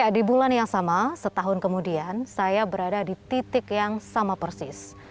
di bulan yang sama setahun kemudian saya berada di titik yang sama persis